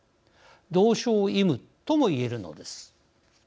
同床異夢とも言えるのです。